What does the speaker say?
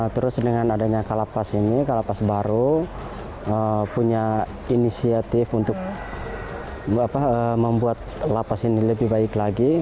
terus dengan adanya kalapas ini kalapas baru punya inisiatif untuk membuat lapas ini lebih baik lagi